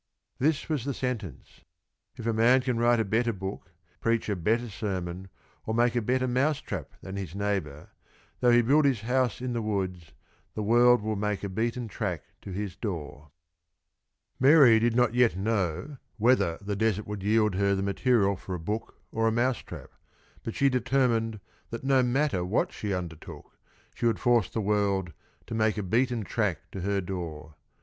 This was the sentence: "_If a man can write a better book, preach a better sermon, or make a better mouse trap than his neighbor, though he build his house in the woods, the world will make a beaten track to his door_." Mary did not yet know whether the desert would yield her the material for a book or a mouse trap, but she determined that no matter what she undertook, she would force the world to "make a beaten track to her door."